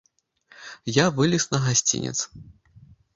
Я вылез на гасцінец.